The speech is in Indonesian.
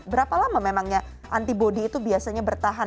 berapa lama memangnya antibody itu biasanya bertahan